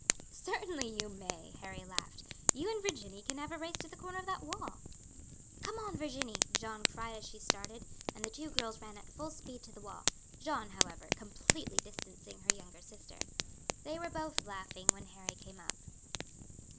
"Certainly you may," Harry laughed; "you and Virginie can have a race to the corner of that wall." "Come on, Virginie," Jeanne cried as she started, and the two girls ran at full speed to the wall; Jeanne, however, completely distancing her younger sister. They were both laughing when Harry came up.